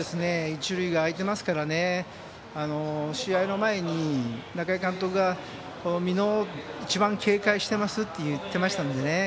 一塁が空いていますから試合の前に、仲井監督が美濃を一番警戒していますと言っていましたのでね。